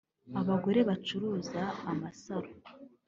abagore bacuruza amasaro